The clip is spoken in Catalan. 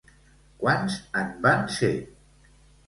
Quants en van ser?